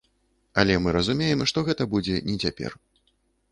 Але мы разумеем, што гэта будзе не цяпер.